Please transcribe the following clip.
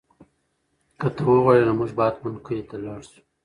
که ته وغواړې نو موږ به حتماً کلي ته لاړ شو.